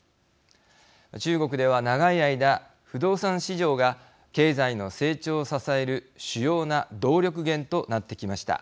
中国では長い間、不動産市場が経済の成長を支える主要な動力源となってきました。